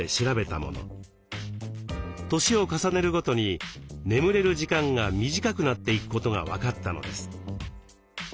年を重ねるごとに眠れる時間が短くなっていくことが分かったのです。